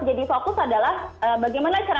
jadi fokus adalah bagaimana cara